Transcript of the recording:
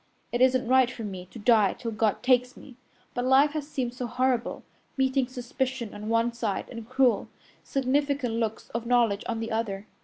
It isn't right for me to die till God takes me, but life has seemed so horrible, meeting suspicion on one side and cruel, significant looks of knowledge on the other.